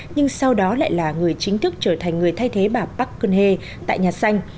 nhưng sau đó lại là người chính thức trở thành người thay thế bà park geun hye tại nhà xanh